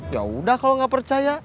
yaudah kalau gak percaya